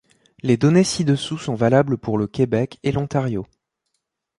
Les données ci-dessous sont valables pour le Québec et l'Ontario.